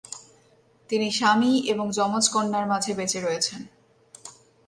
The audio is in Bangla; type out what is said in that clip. তিনি স্বামী এবং যমজ কন্যার মাঝে বেঁচে রয়েছেন।